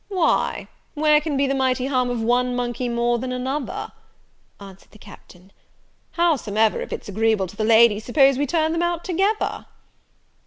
"Why, where can be the mighty harm of one monkey more than another?" answered the Captain: "howsomever, if its agreeable to the ladies, suppose we turn them out together?"